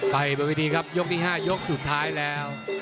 ไปเป็นวิธีครับ๕ยกสุดท้ายแล้ว